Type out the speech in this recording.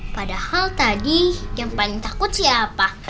padahal tadi yang paling takut siapa